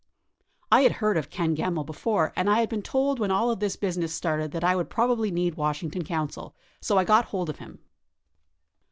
"I had heard of [Ken Gemmill] before and I had been told when all of this business started that I would probably need Washington counsel. So I got hold of him."